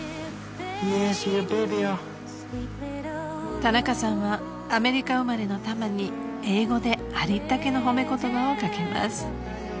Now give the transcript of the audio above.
［田中さんはアメリカ生まれのタマに英語でありったけの褒め言葉を掛けます］